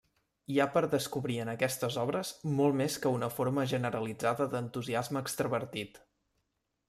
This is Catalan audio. Hi ha per descobrir en aquestes obres molt més que una forma generalitzada d'entusiasme extravertit.